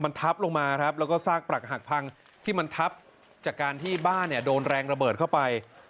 มันทับลงมาครับแล้วก็ซากปรักหักพังที่มันทับจากการที่บ้านเนี่ยโดนแรงระเบิดเข้าไป